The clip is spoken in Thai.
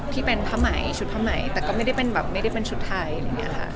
ที่เป็นชุดพระไหมแต่ก็ไม่ได้เป็นชุดไทย